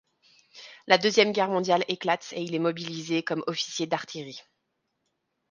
La Deuxième Guerre mondiale éclate et il est mobilisé comme officier d’artillerie.